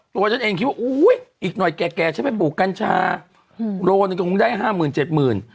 ตัวฉันเองคิดว่าอุ้ยอีกหน่อยแก่ฉันไปปลูกกัญชาโลหนึ่งก็คงได้ห้าหมื่นเจ็ดหมื่น